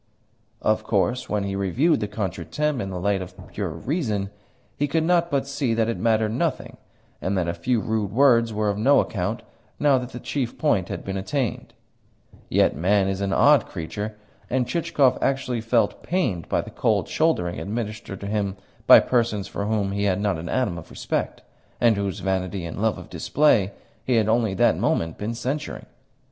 Of course, when he reviewed the contretemps in the light of pure reason, he could not but see that it mattered nothing, and that a few rude words were of no account now that the chief point had been attained; yet man is an odd creature, and Chichikov actually felt pained by the cold shouldering administered to him by persons for whom he had not an atom of respect, and whose vanity and love of display he had only that moment been censuring.